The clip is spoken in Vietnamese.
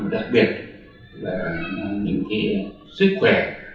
đặc biệt là những cái sức khỏe